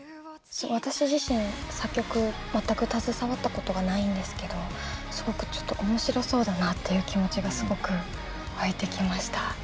私自身作曲全く携わったことがないんですけどすごくちょっと面白そうだなっていう気持ちがすごく湧いてきました。